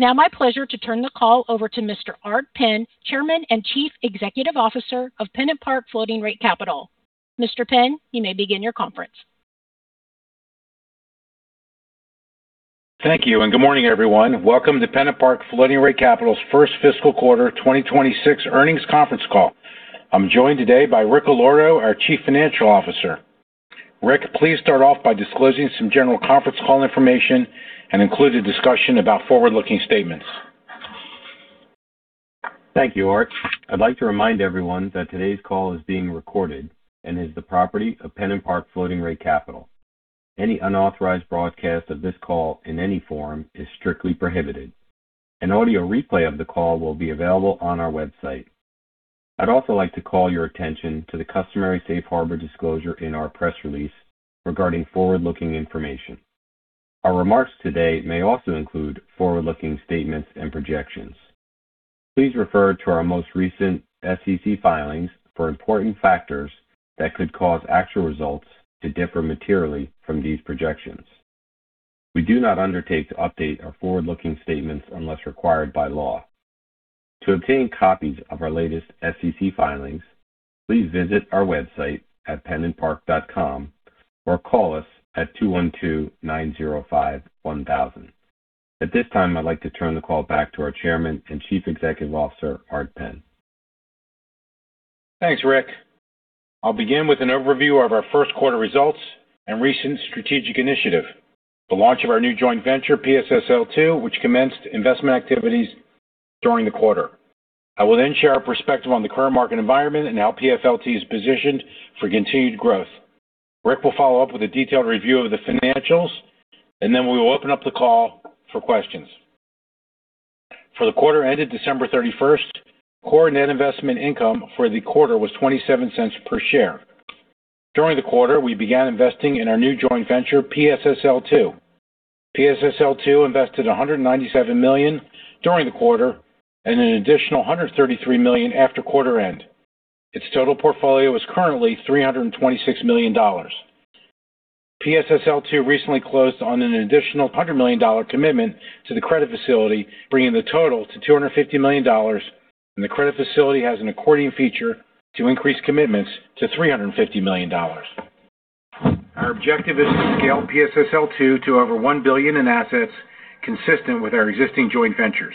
It's now my pleasure to turn the call over to Mr. Art Penn, Chairman and Chief Executive Officer of PennantPark Floating Rate Capital. Mr. Penn, you may begin your conference. Thank you, and good morning, everyone. Welcome to PennantPark Floating Rate Capital's first fiscal quarter 2026 earnings conference call. I'm joined today by Rick Allorto, our Chief Financial Officer. Rick, please start off by disclosing some general conference call information and include a discussion about forward-looking statements. Thank you, Art. I'd like to remind everyone that today's call is being recorded and is the property of PennantPark Floating Rate Capital. Any unauthorized broadcast of this call in any form is strictly prohibited. An audio replay of the call will be available on our website. I'd also like to call your attention to the customary safe harbor disclosure in our press release regarding forward-looking information. Our remarks today may also include forward-looking statements and projections. Please refer to our most recent SEC filings for important factors that could cause actual results to differ materially from these projections. We do not undertake to update our forward-looking statements unless required by law. To obtain copies of our latest SEC filings, please visit our website at pennantpark.com or call us at 212-905-1000. At this time, I'd like to turn the call back to our Chairman and Chief Executive Officer, Art Penn. Thanks, Rick. I'll begin with an overview of our first quarter results and recent strategic initiative, the launch of our new joint venture, PSSL II, which commenced investment activities during the quarter. I will then share our perspective on the current market environment and how PFLT is positioned for continued growth. Rick will follow up with a detailed review of the financials, and then we will open up the call for questions. For the quarter ended December 31st, Core Net Investment Income for the quarter was $0.27 per share. During the quarter, we began investing in our new joint venture, PSSL II. PSSL II invested $197 million during the quarter and an additional $133 million after quarter end. Its total portfolio is currently $326 million. PSSL II recently closed on an additional $100 million commitment to the credit facility, bringing the total to $250 million, and the credit facility has an accordion feature to increase commitments to $350 million. Our objective is to scale PSSL II to over $1 billion in assets consistent with our existing joint ventures.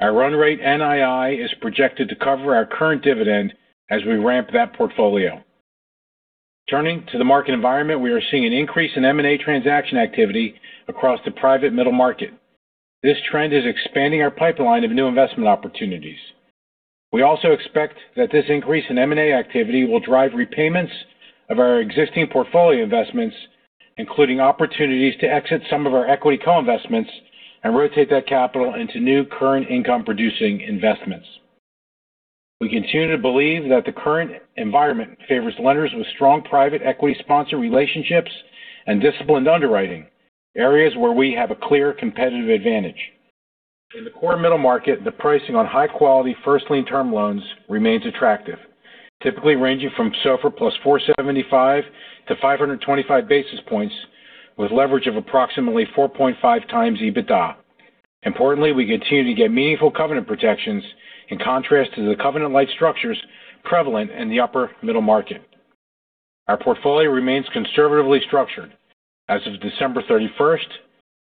Our run rate NII is projected to cover our current dividend as we ramp that portfolio. Turning to the market environment, we are seeing an increase in M&A transaction activity across the private middle market. This trend is expanding our pipeline of new investment opportunities. We also expect that this increase in M&A activity will drive repayments of our existing portfolio investments, including opportunities to exit some of our equity co-investments and rotate that capital into new current income-producing investments. We continue to believe that the current environment favors lenders with strong private equity sponsor relationships and disciplined underwriting, areas where we have a clear competitive advantage. In the core middle market, the pricing on high-quality first lien term loans remains attractive, typically ranging from SOFR plus 475-525 basis points, with leverage of approximately 4.5x EBITDA. Importantly, we continue to get meaningful covenant protections, in contrast to the covenant-lite structures prevalent in the upper middle market. Our portfolio remains conservatively structured. As of December 31st,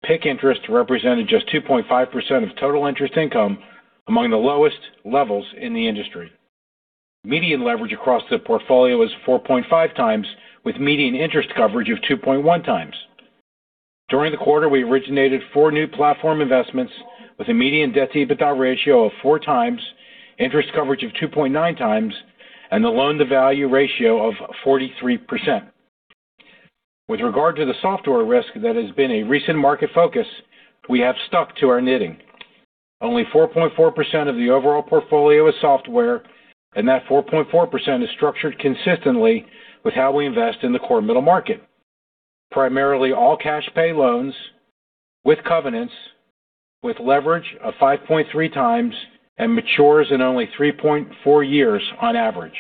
PIK interest represented just 2.5% of total interest income among the lowest levels in the industry. Median leverage across the portfolio is 4.5x, with median interest coverage of 2.1x. During the quarter, we originated four new platform investments with a median debt-to-EBITDA ratio of 4x, interest coverage of 2.9x, and a loan-to-value ratio of 43%. With regard to the software risk that has been a recent market focus, we have stuck to our knitting. Only 4.4% of the overall portfolio is software, and that 4.4% is structured consistently with how we invest in the core middle market. Primarily, all cash pay loans with covenants, with leverage of 5.3x, and matures in only 3.4 years on average.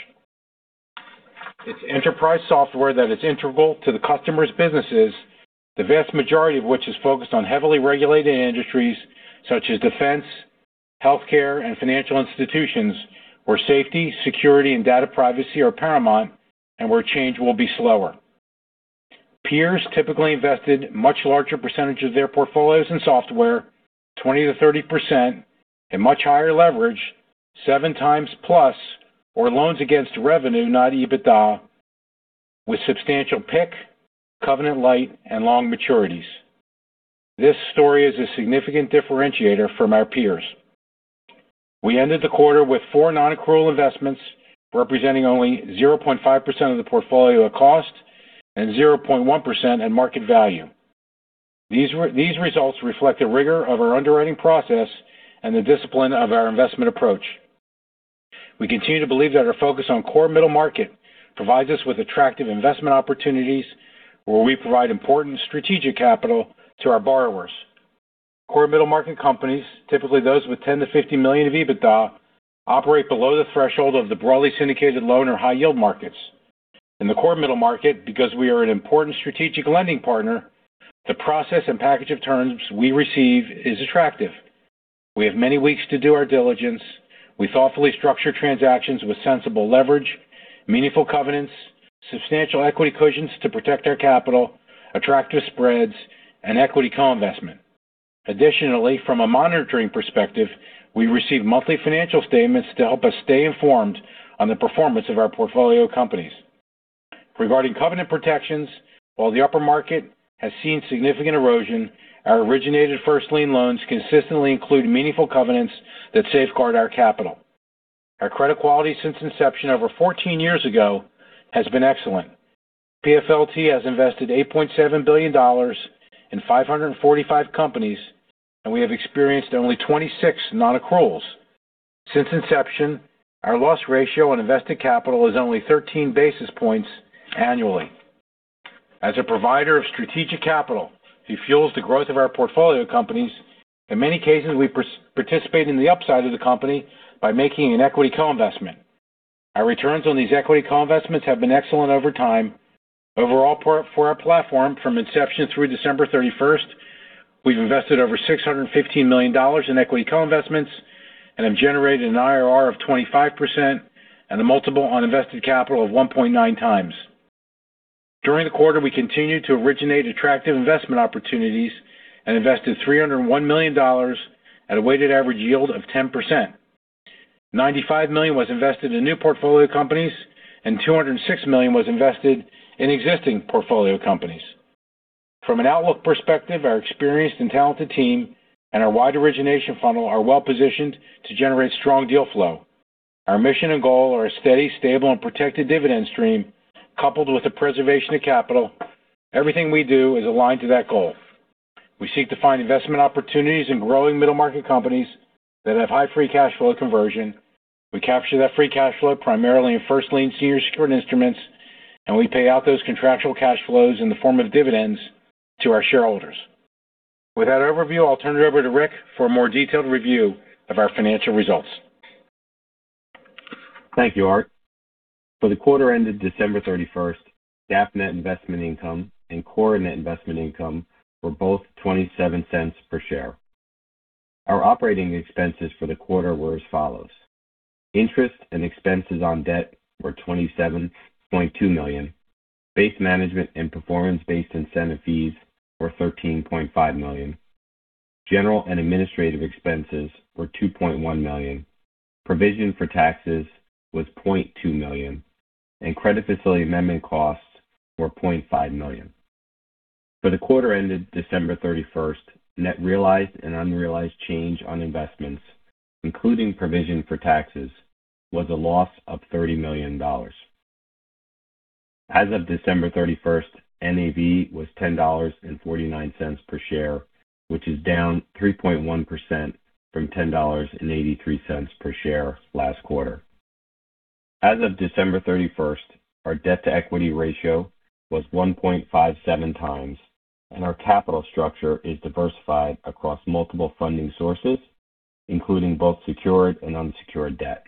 It's enterprise software that is integral to the customers' businesses, the vast majority of which is focused on heavily regulated industries such as defense, healthcare, and financial institutions, where safety, security, and data privacy are paramount and where change will be slower. Peers typically invested much larger percentage of their portfolios in software, 20%-30%, and much higher leverage, 7x+, or loans against revenue, not EBITDA, with substantial PIK, covenant-lite, and long maturities. This story is a significant differentiator from our peers. We ended the quarter with four non-accrual investments, representing only 0.5% of the portfolio at cost and 0.1% at market value. These results reflect the rigor of our underwriting process and the discipline of our investment approach. We continue to believe that our focus on core middle market provides us with attractive investment opportunities where we provide important strategic capital to our borrowers. Core middle market companies, typically those with $10 million-$50 million of EBITDA, operate below the threshold of the broadly syndicated loan or high yield markets. In the core middle market, because we are an important strategic lending partner, the process and package of terms we receive is attractive. We have many weeks to do our diligence. We thoughtfully structure transactions with sensible leverage, meaningful covenants, substantial equity cushions to protect our capital, attractive spreads, and equity co-investment. Additionally, from a monitoring perspective, we receive monthly financial statements to help us stay informed on the performance of our portfolio companies. Regarding covenant protections, while the upper market has seen significant erosion, our originated first lien loans consistently include meaningful covenants that safeguard our capital. Our credit quality since inception over 14 years ago, has been excellent. PFLT has invested $8.7 billion in 545 companies, and we have experienced only 26 non-accruals. Since inception, our loss ratio on invested capital is only 13 basis points annually. As a provider of strategic capital, we fuels the growth of our portfolio companies. In many cases, we participate in the upside of the company by making an equity co-investment. Our returns on these equity co-investments have been excellent over time. Overall, for our platform, from inception through December 31st, we've invested over $615 million in equity co-investments and have generated an IRR of 25% and a multiple on invested capital of 1.9x. During the quarter, we continued to originate attractive investment opportunities and invested $301 million at a weighted average yield of 10%. $95 million was invested in new portfolio companies, and $206 million was invested in existing portfolio companies. From an outlook perspective, our experienced and talented team and our wide origination funnel are well-positioned to generate strong deal flow. Our mission and goal are a steady, stable, and protected dividend stream, coupled with the preservation of capital. Everything we do is aligned to that goal. We seek to find investment opportunities in growing middle market companies that have high free cash flow conversion. We capture that free cash flow primarily in first lien senior secured instruments, and we pay out those contractual cash flows in the form of dividends to our shareholders. With that overview, I'll turn it over to Rick for a more detailed review of our financial results. Thank you, Art. For the quarter ended December 31st, GAAP net investment income and core net investment income were both $0.27 per share. Our operating expenses for the quarter were as follows: interest and expenses on debt were $27.2 million, base management and performance-based incentive fees were $13.5 million, general and administrative expenses were $2.1 million, provision for taxes was $0.2 million, and credit facility amendment costs were $0.5 million. For the quarter ended December 31st, net realized and unrealized change on investments, including provision for taxes, was a loss of $30 million. As of December 31st, NAV was $10.49 per share, which is down 3.1% from $10.83 per share last quarter. As of December 31st, our debt-to-equity ratio was 1.57x, and our capital structure is diversified across multiple funding sources, including both secured and unsecured debt.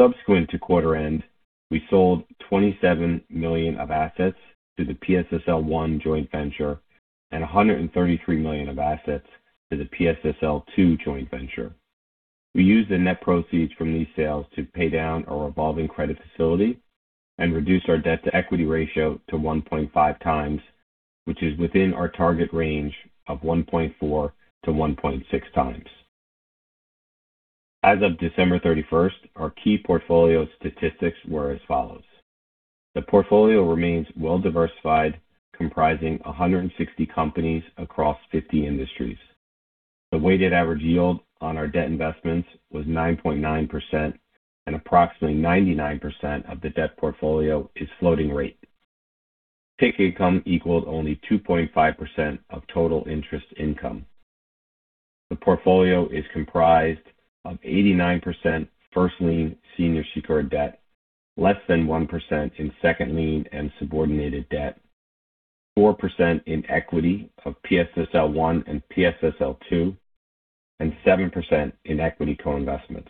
Subsequent to quarter end, we sold $27 million of assets to the PSSL I joint venture and $133 million of assets to the PSSL II joint venture. We used the net proceeds from these sales to pay down our revolving credit facility and reduce our debt-to-equity ratio to 1.5x, which is within our target range of 1.4-1.6x. As of December 31st, our key portfolio statistics were as follows: The portfolio remains well-diversified, comprising 160 companies across 50 industries. The weighted average yield on our debt investments was 9.9%, and approximately 99% of the debt portfolio is floating rate. PIK income equals only 2.5% of total interest income. The portfolio is comprised of 89% first lien senior secured debt, less than 1% in second lien and subordinated debt, 4% in equity of PSSL I and PSSL II, and 7% in equity co-investments.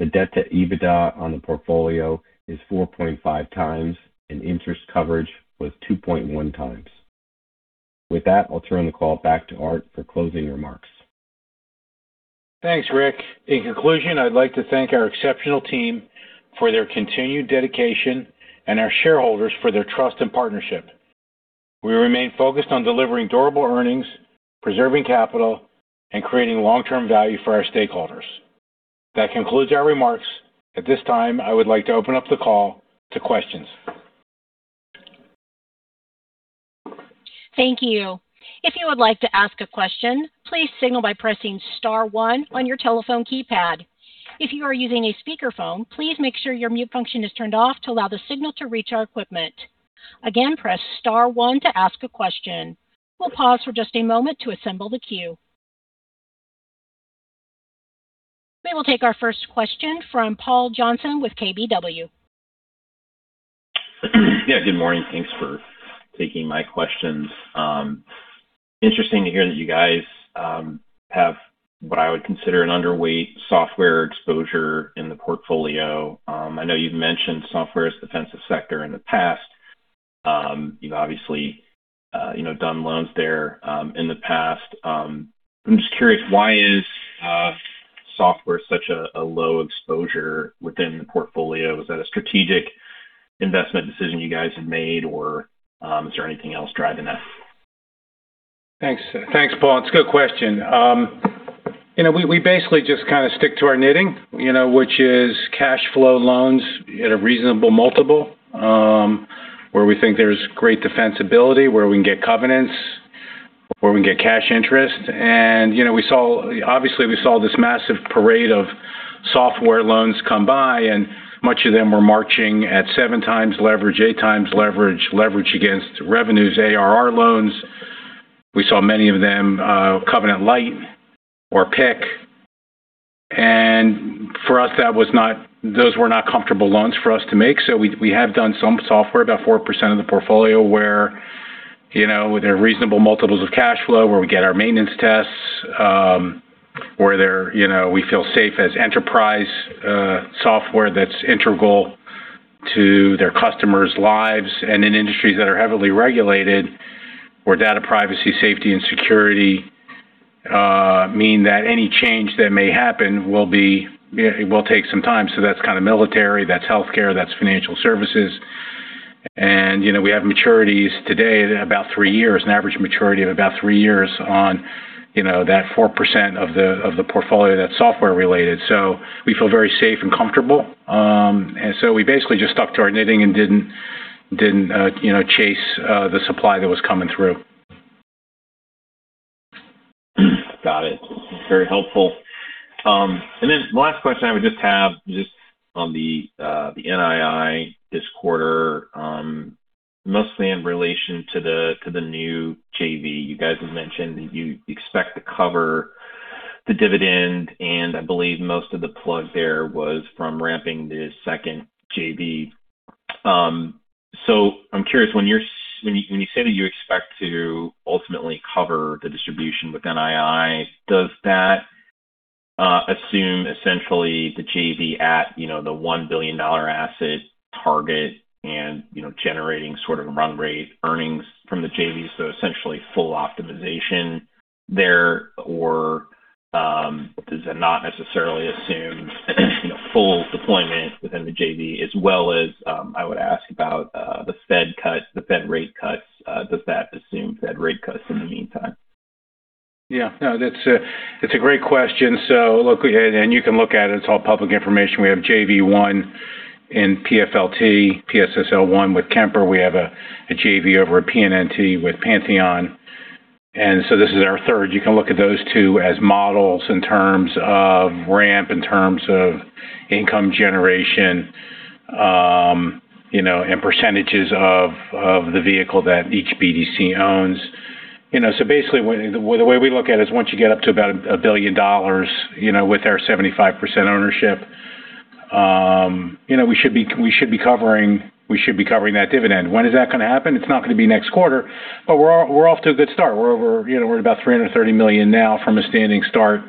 The debt-to-EBITDA on the portfolio is 4.5x, and interest coverage was 2.1x. With that, I'll turn the call back to Art for closing remarks. Thanks, Rick. In conclusion, I'd like to thank our exceptional team for their continued dedication and our shareholders for their trust and partnership. We remain focused on delivering durable earnings, preserving capital, and creating long-term value for our stakeholders. That concludes our remarks. At this time, I would like to open up the call to questions. Thank you. If you would like to ask a question, please signal by pressing star one on your telephone keypad. If you are using a speakerphone, please make sure your mute function is turned off to allow the signal to reach our equipment. Again, press star one to ask a question. We'll pause for just a moment to assemble the queue. We will take our first question from Paul Johnson with KBW. Yeah, good morning. Thanks for taking my questions. Interesting to hear that you guys have what I would consider an underweight software exposure in the portfolio. I know you've mentioned software as a defensive sector in the past. You've obviously, you know, done loans there in the past. I'm just curious, why is software such a low exposure within the portfolio? Is that a strategic investment decision you guys have made, or is there anything else driving that? Thanks. Thanks, Paul. It's a good question. You know, we basically just kind of stick to our knitting, you know, which is cash flow loans at a reasonable multiple, where we think there's great defensibility, where we can get covenants, where we can get cash interest. And, you know, we saw, obviously, we saw this massive parade of software loans come by, and much of them were marching at 7x leverage, 8x leverage, leverage against revenues, ARR loans. We saw many of them, covenant-lite or PIK. And for us, that was not, those were not comfortable loans for us to make. So we have done some software, about 4% of the portfolio, where, you know, there are reasonable multiples of cash flow, where we get our maintenance tests, where they're, you know, we feel safe as enterprise software that's integral to their customers' lives, and in industries that are heavily regulated, where data privacy, safety, and security mean that any change that may happen will be. It will take some time. So that's kind of military, that's healthcare, that's financial services. And, you know, we have maturities today, about 3 years, an average maturity of about 3 years on, you know, that 4% of the portfolio that's software-related. So we feel very safe and comfortable. And so we basically just stuck to our knitting and didn't, you know, chase the supply that was coming through. Got it. Very helpful. And then the last question I would just have, just on the NII this quarter, mostly in relation to the new JV. You guys have mentioned that you expect to cover the dividend, and I believe most of the plug there was from ramping the second JV. So I'm curious, when you say that you expect to ultimately cover the distribution with NII, does that assume essentially the JV at, you know, the $1 billion asset target and, you know, generating sort of run rate earnings from the JV, so essentially full optimization there? Or does it not necessarily assume, you know, full deployment within the JV? As well as, I would ask about the Fed cut, the Fed rate cuts. Does that assume Fed rate cuts in the meantime? Yeah. No, that's a great question. So look, and you can look at it, it's all public information. We have JV 1 in PFLT, PSSL 1 with Kemper. We have a JV over at PNNT with Pantheon, and so this is our third. You can look at those two as models in terms of ramp, in terms of income generation, you know, and percentages of the vehicle that each BDC owns. You know, so basically, the way, the way we look at it is once you get up to about $1 billion, you know, with our 75% ownership, you know, we should be covering, we should be covering that dividend. When is that gonna happen? It's not gonna be next quarter, but we're off to a good start. We're over... You know, we're at about $330 million now from a standing start,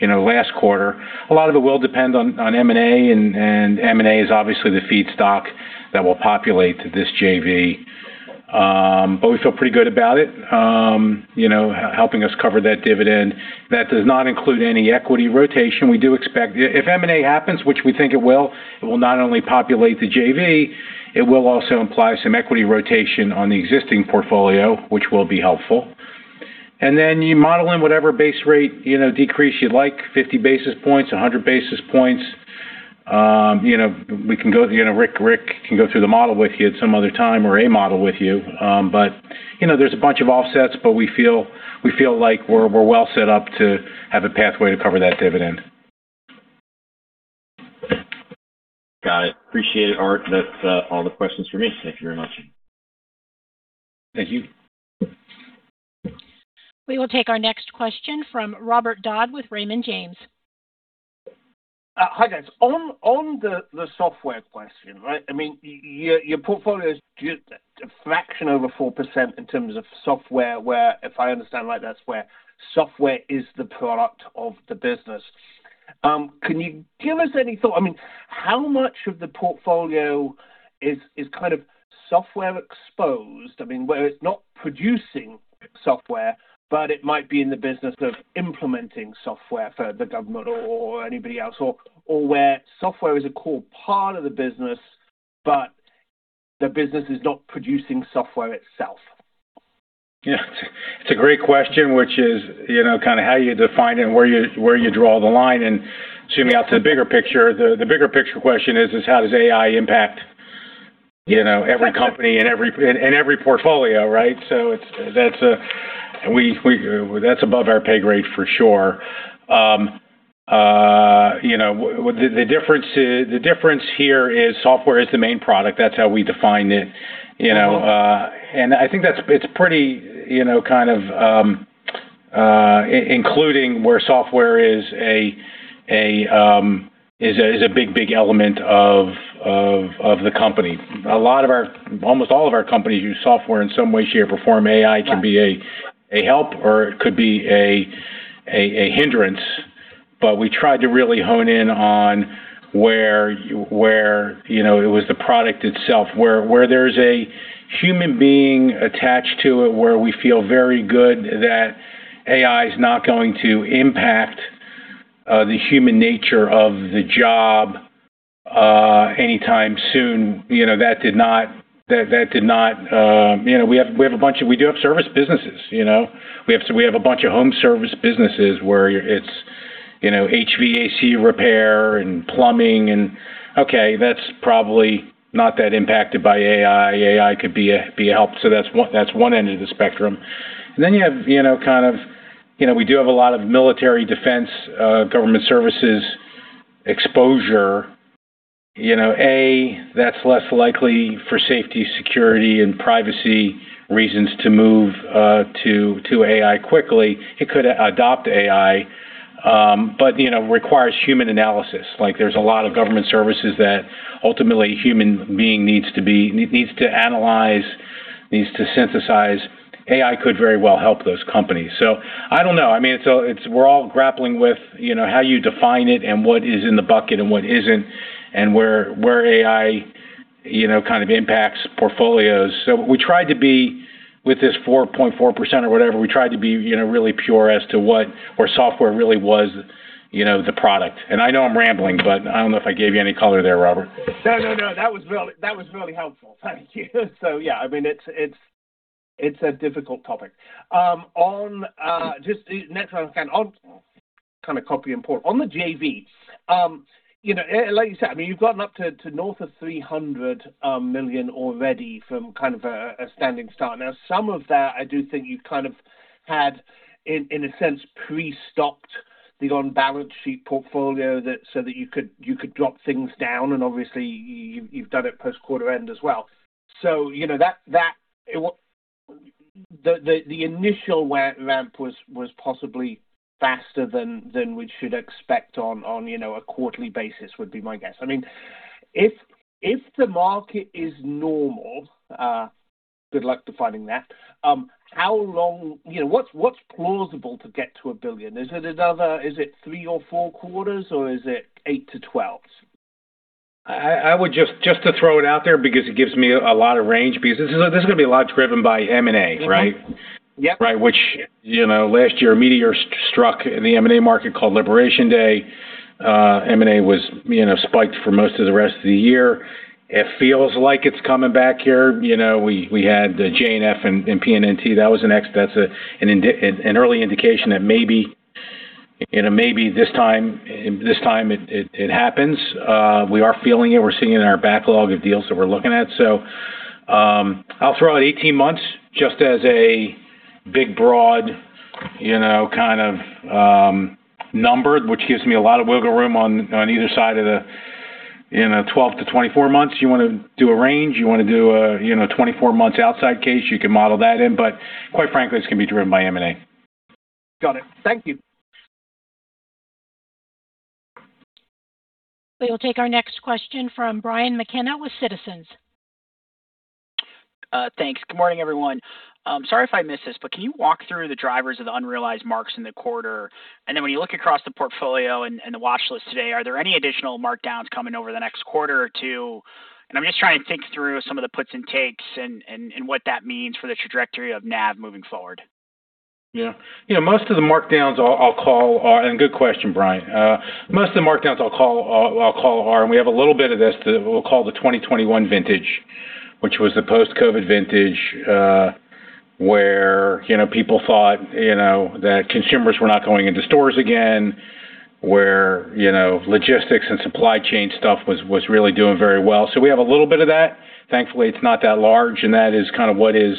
you know, last quarter. A lot of it will depend on M&A, and M&A is obviously the feedstock that will populate this JV. But we feel pretty good about it, you know, helping us cover that dividend. That does not include any equity rotation. We do expect. If M&A happens, which we think it will, it will not only populate the JV, it will also imply some equity rotation on the existing portfolio, which will be helpful. And then you model in whatever base rate, you know, decrease you'd like, 50 basis points, 100 basis points. You know, we can go, you know, Rick, Rick can go through the model with you at some other time or a model with you. But, you know, there's a bunch of offsets, but we feel like we're well set up to have a pathway to cover that dividend. Got it. Appreciate it, Art. That's all the questions for me. Thank you very much. Thank you. We will take our next question from Robert Dodd with Raymond James. Hi, guys. On the software question, right? I mean, your portfolio is just a fraction over 4% in terms of software, where, if I understand, right, that's where software is the product of the business. Can you give us any thought? I mean, how much of the portfolio is kind of software exposed? I mean, where it's not producing software, but it might be in the business of implementing software for the government or anybody else, or where software is a core part of the business, but the business is not producing software itself. Yeah, it's a great question, which is, you know, kind of how you define and where you draw the line. And zooming out to the bigger picture, the bigger picture question is how does AI impact, you know, every company and every portfolio, right? So it's that. That's above our pay grade for sure. You know, the difference is the difference here is software is the main product. That's how we define it, you know. And I think that's pretty, you know, kind of including where software is a big element of the company. A lot of our almost all of our companies use software in some way, shape, or form. AI can be a help or it could be a hindrance. But we tried to really hone in on where, you know, it was the product itself, where there's a human being attached to it, where we feel very good that AI is not going to impact the human nature of the job anytime soon. You know, that did not-- that did not, you know, we have a bunch of-- we do have service businesses, you know. We have a bunch of home service businesses where it's, you know, HVAC repair and plumbing and okay, that's probably not that impacted by AI. AI could be a help, so that's one end of the spectrum. Then you have, you know, kind of, you know, we do have a lot of military defense, government services exposure. You know, A, that's less likely for safety, security, and privacy reasons to move to AI quickly. It could adopt AI, but, you know, requires human analysis. Like, there's a lot of government services that ultimately a human being needs to analyze, needs to synthesize. AI could very well help those companies. So I don't know. I mean, it's. We're all grappling with, you know, how you define it and what is in the bucket and what isn't, and where AI, you know, kind of impacts portfolios. So we tried to be with this 4.4% or whatever, we tried to be, you know, really pure as to what, where software really was, you know, the product. I know I'm rambling, but I don't know if I gave you any color there, Robert. No, no, no, that was really, that was really helpful. Thank you. So, yeah, I mean, it's a difficult topic. On just the next one, on kind of copy and port. On the JV, you know, like you said, I mean, you've gotten up to north of $300 million already from kind of a standing start. Now, some of that I do think you've kind of had, in a sense, pre-stopped the on-balance sheet portfolio that so that you could drop things down, and obviously, you've done it post-quarter end as well. So you know, that. The initial ramp was possibly faster than we should expect on you know, a quarterly basis, would be my guess. I mean, if, if the market is normal, good luck defining that, how long... You know, what's, what's plausible to get to $1 billion? Is it another, is it 3 or 4 quarters, or is it 8-12? I would just to throw it out there because it gives me a lot of range, because this is gonna be a lot driven by M&A, right? Yep. Right. Which, you know, last year, a meteor struck in the M&A market called Liberation Day. M&A was, you know, spiked for most of the rest of the year. It feels like it's coming back here. You know, we had JNF and PNNT. That was an example. That's an early indication that maybe, you know, maybe this time it happens. We are feeling it. We're seeing it in our backlog of deals that we're looking at. So, I'll throw out 18 months just as a big, broad, you know, kind of number, which gives me a lot of wiggle room on either side of the, you know, 12-24 months. You wanna do a range, you know, 24 months outside case, you can model that in, but quite frankly, it's gonna be driven by M&A. Got it. Thank you. We will take our next question from Brian McKenna with Citizens. Thanks. Good morning, everyone. Sorry if I missed this, but can you walk through the drivers of the unrealized marks in the quarter? And then when you look across the portfolio and the watchlist today, are there any additional markdowns coming over the next quarter or two? And I'm just trying to think through some of the puts and takes and what that means for the trajectory of NAV moving forward. Yeah. You know, most of the markdowns I'll call are... And good question, Brian. Most of the markdowns I'll call are, and we have a little bit of this, the, we'll call the 2021 vintage, which was the post-COVID vintage, where, you know, people thought, you know, that consumers were not going into stores again, where, you know, logistics and supply chain stuff was really doing very well. So we have a little bit of that. Thankfully, it's not that large, and that is kind of what is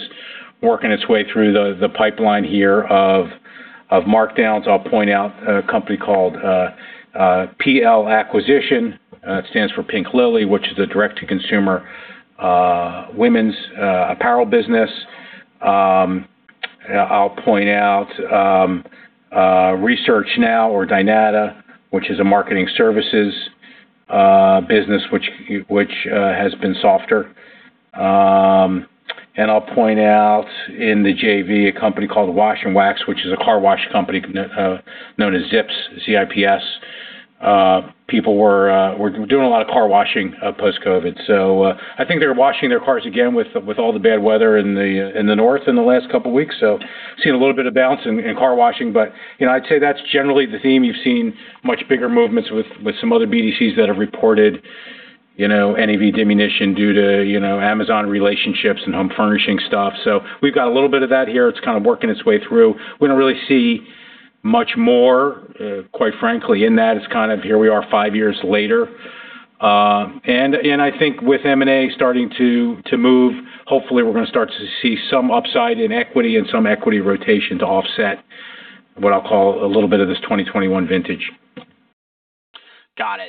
working its way through the pipeline here of markdowns. I'll point out a company called PL Acquisition. It stands for Pink Lily, which is a direct-to-consumer women's apparel business. I'll point out Research Now or Dynata, which is a marketing services business, which has been softer. And I'll point out in the JV, a company called Wash and Wax, which is a car wash company known as Zips, Z-I-P-S. People were doing a lot of car washing post-COVID. So, I think they're washing their cars again with all the bad weather in the north in the last couple of weeks, so seeing a little bit of bounce in car washing. But, you know, I'd say that's generally the theme. You've seen much bigger movements with some other BDCs that have reported, you know, NAV diminution due to, you know, Amazon relationships and home furnishing stuff. So we've got a little bit of that here. It's kind of working its way through. We don't really see much more, quite frankly, in that. It's kind of here we are, five years later. And I think with M&A starting to move, hopefully, we're gonna start to see some upside in equity and some equity rotation to offset what I'll call a little bit of this 2021 vintage. ...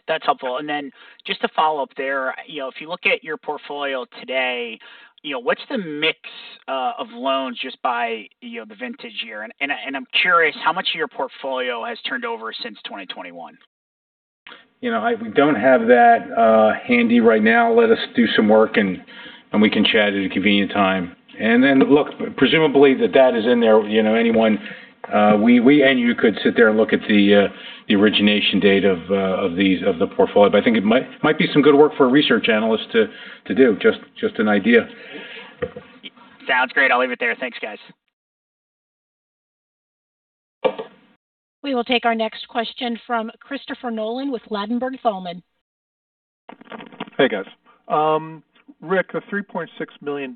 That's helpful. And then just to follow up there, you know, if you look at your portfolio today, you know, what's the mix of loans just by, you know, the vintage year? And I'm curious, how much of your portfolio has turned over since 2021? You know, I don't have that handy right now. Let us do some work and we can chat at a convenient time. And then, look, presumably the data is in there. You know, anyone, we and you could sit there and look at the origination date of these of the portfolio. But I think it might be some good work for a research analyst to do. Just an idea. Sounds great. I'll leave it there. Thanks, guys. We will take our next question from Christopher Nolan with Ladenburg Thalmann. Hey, guys. Rick, a $3.6 million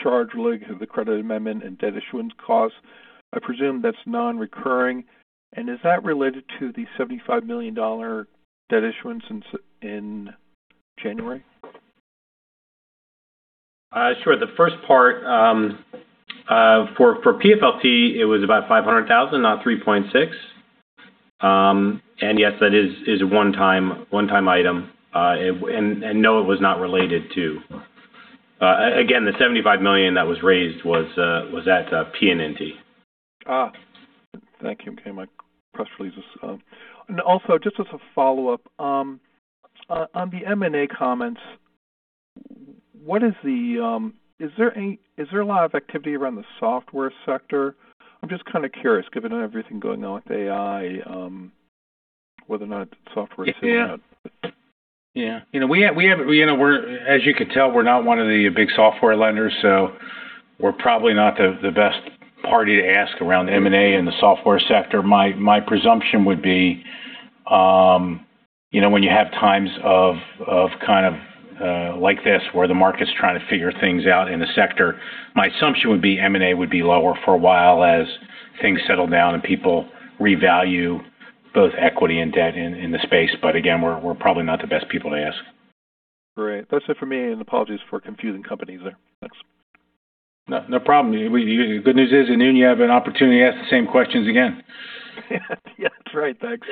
charge related to the credit amendment and debt issuance costs, I presume that's non-recurring. And is that related to the $75 million debt issuance since in January? Sure. The first part, for PFLT, it was about $500,000, not $3.6 million. And yes, that is a one-time item. And no, it was not related to... Again, the $75 million that was raised was at PNNT. Ah, thank you. Okay, my press release is... And also just as a follow-up, on the M&A comments, what is the... Is there any-- is there a lot of activity around the software sector? I'm just kind of curious, given everything going on with AI, whether or not software is in that. Yeah. Yeah. You know, we have, we haven't, you know, we're, as you can tell, we're not one of the big software lenders, so we're probably not the, the best party to ask around M&A in the software sector. My, my presumption would be, you know, when you have times of, of kind of, like this, where the market's trying to figure things out in the sector, my assumption would be M&A would be lower for a while as things settle down and people revalue both equity and debt in, in the space. But again, we're, we're probably not the best people to ask. Great. That's it for me, and apologies for confusing companies there. Thanks. No, no problem. The good news is, in June you have an opportunity to ask the same questions again. Yeah. That's right. Thanks.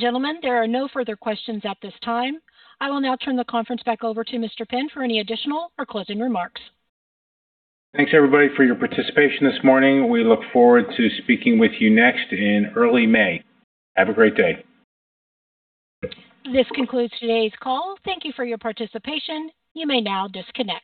Gentlemen, there are no further questions at this time. I will now turn the conference back over to Mr. Penn for any additional or closing remarks. Thanks, everybody, for your participation this morning. We look forward to speaking with you next in early May. Have a great day. This concludes today's call. Thank you for your participation. You may now disconnect.